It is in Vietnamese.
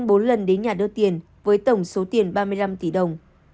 gần đến nhà đưa tiền với tổng số tiền ba mươi năm tỷ đồng